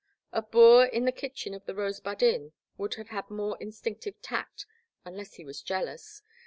A boor in the kitchen of the Rosebud Inn would have had more instinctive tact — ^unless he was jealous!